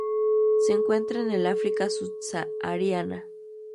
Se encuentra en el África subsahariana.